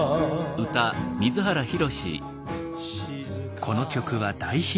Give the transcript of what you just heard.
この曲は大ヒット。